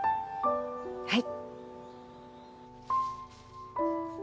はい。